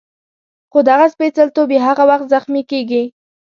خو دغه سپېڅلتوب یې هغه وخت زخمي کېږي.